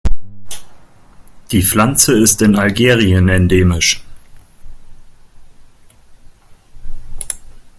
Die Pflanze ist in Algerien endemisch.